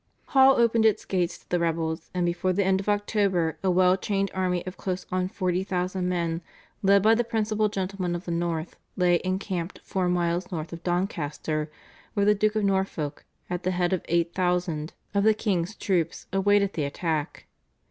Hull opened its gates to the rebels, and before the end of October a well trained army of close on 40,000 men led by the principal gentlemen of the north lay encamped four miles north of Doncaster, where the Duke of Norfolk at the head of 8,000 of the king's troops awaited the attack.